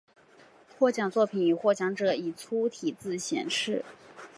获奖作品与获奖者以粗体字显示。